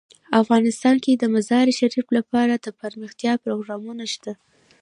افغانستان کې د مزارشریف لپاره دپرمختیا پروګرامونه شته.